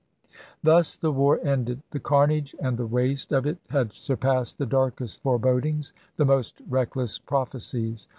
Thus the war ended. The carnage and the waste of it had surpassed the darkest forebodings, the most reckless prophecies.